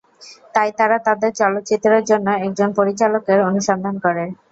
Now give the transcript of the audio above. তাই তারা তাদের চলচ্চিত্রের জন্য একজন পরিচালকের অনুসন্ধান করে।